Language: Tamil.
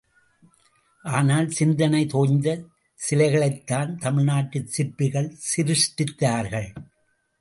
ஆனால், சிந்தனை தோய்ந்த சிலைகளைத்தான், தமிழ்நாட்டுச் சிற்பிகள் சிருஷ்டித்தார்கள்.